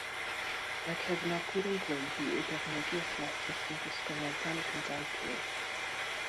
Mae cefnogwyr yn gweiddi i gefnogi athletwr sy'n gwisgo medal ac yn dal pêl.